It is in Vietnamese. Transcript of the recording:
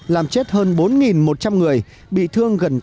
làm chết hơn bốn một trăm linh người bị thương gần tám mươi